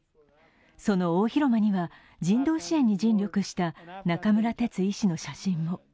その大広間には、人道支援に尽力した中村哲医師の写真も。